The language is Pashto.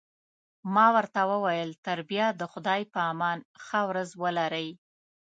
ما ورته وویل: تر بیا د خدای په امان، ښه ورځ ولرئ.